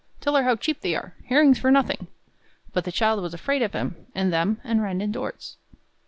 Tell her how cheap they are herrings for nothing." But the child was afraid of him and them, and ran indoors.